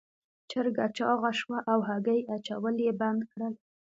چرګه چاغه شوه او هګۍ اچول یې بند کړل.